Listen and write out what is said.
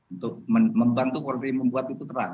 untuk membantu polri membuat itu terang